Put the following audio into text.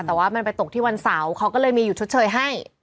แต่ว่ามันไปตกที่วันเสาร์เขาก็เลยมีหยุดชดเชยให้